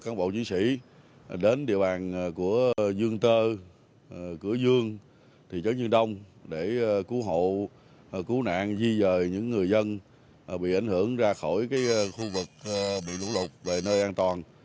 các bộ chiến sĩ đến địa bàn của dương tơ cửa dương thị trấn dương đông để cứu hộ cứu nạn di dời những người dân bị ảnh hưởng ra khỏi khu vực bị lũ lụt về nơi an toàn